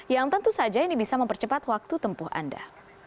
yang tentu saja ini bisa mempercepat waktu tempuh anda